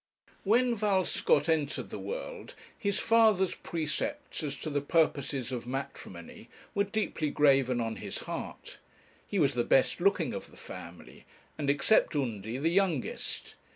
When Val Scott entered the world, his father's precepts as to the purposes of matrimony were deeply graven on his heart. He was the best looking of the family, and, except Undy, the youngest.